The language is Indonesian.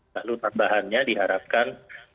lalu tambahannya diharapkan